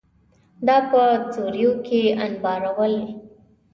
دا په سوریو کې انبارول